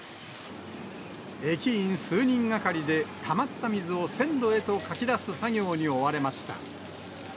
駅員数人がかりで、たまった水を線路へとかき出す作業に追われました。